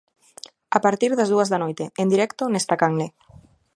A partir das dúas da noite, en directo nesta canle.